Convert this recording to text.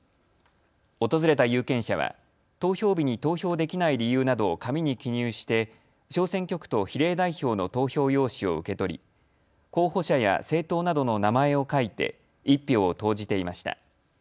訪れた有権者は投票日に投票できない理由などを紙に記入して小選挙区と比例代表の投票用紙を受け取り候補者や政党などの名前を書いて１票を投じていました。